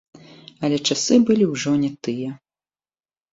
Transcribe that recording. Але часы былі ўжо не тыя.